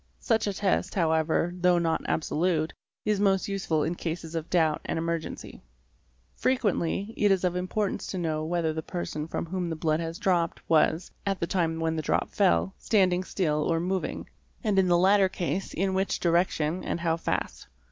Such a test, however, though not absolute, is most use ful in cases of doubt and emergency. Frequently it is of importance to know whether the person from whom the blood has dropped was, at the time when the drop fell, stand ing still or moving, and in the latter case in which direction and how fast.